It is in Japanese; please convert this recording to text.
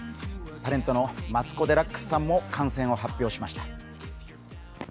タレントのマツコ・デラックスさんも感染を発表しました。